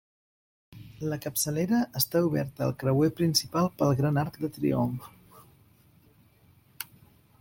La capçalera està oberta al creuer principal pel gran arc de triomf.